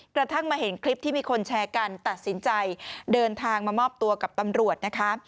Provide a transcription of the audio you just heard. กระทั่งมาเห็นคลิปที่มีคนแชร์กันตัดสินใจเดินทางมามอบตัวกับตำรวจนะคะ